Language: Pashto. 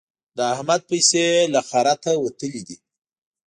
د احمد پيسې له خرته وتلې دي.